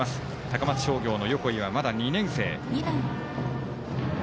高松商業の横井は、まだ２年生。